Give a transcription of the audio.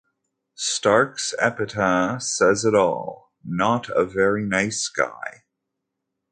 Stark's epitaph says it all: "Not A Very Nice Guy".